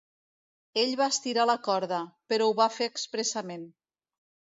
Ell va estirar la corda, però ho va fer expressament.